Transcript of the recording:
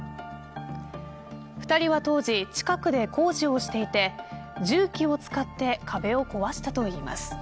２人は当時近くで工事をしていて重機を使って壁を壊したといいます。